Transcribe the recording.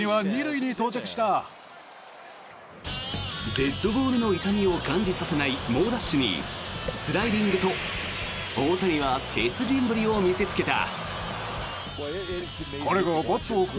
デッドボールの痛みを感じさせない猛ダッシュにスライディングと大谷は鉄人ぶりを見せつけた。